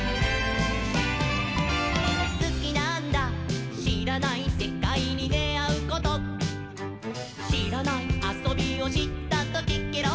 「スキなんだしらないセカイにであうこと」「しらないあそびをしったときケロッ！」